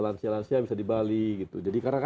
lansia lansia bisa di bali gitu jadi karena